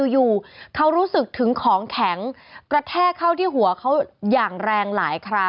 อยู่เขารู้สึกถึงของแข็งกระแทกเข้าที่หัวเขาอย่างแรงหลายครั้ง